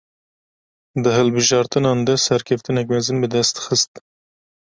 Di hilbijartinan de serkeftinek mezin bi dest xist